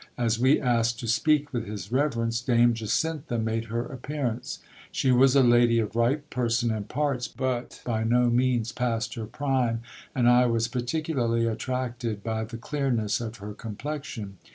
As we asked to speak with his reverence, Dame Jacintha made her appearance. She was a lady of ripe person and parts, but by no means past her prime ; and I was particularly attracted by the clearness of her complexion.